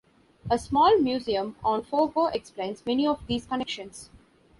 A small museum on Fogo explains many of these connections.